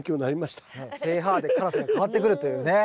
ｐＨで辛さが変わってくるというね。